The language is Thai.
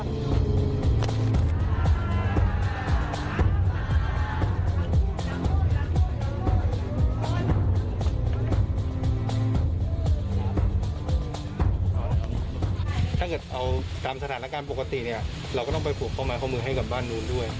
ถ้าเกิดเอาตามสถานการณ์ปกติเนี่ยเราก็ต้องไปผูกข้อไม้ข้อมือให้กับบ้านนู้นด้วย